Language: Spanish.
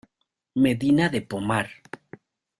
Medina de Pomar.